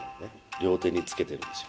両手につけてるんですよ。